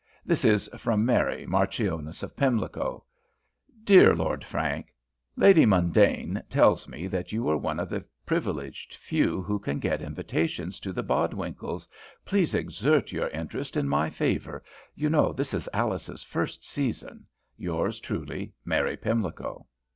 This is from Mary, Marchioness of Pimlico: "DEAR LORD FRANK, Lady Mundane tells me that you are one of the privileged few who can get invitations to the Bodwinkles'. Please exert your interest in my favour. You know this is Alice's first season. Yours truly, "MARY PIMLICO."